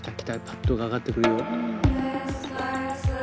パッドが上がってくるよ。